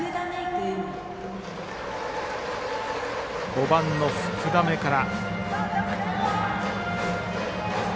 ５番の福溜から。